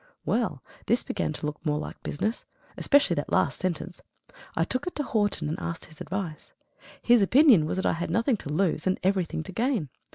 Well, this began to look more like business especially that last sentence. I took it to Horton, and asked his advice. His opinion was that I had nothing to lose and everything to gain.